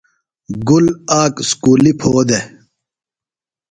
گُل آک اُسکُلیۡ پھو دےۡ۔